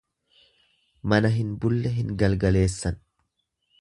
Mana hin bulle hin galgaleessan.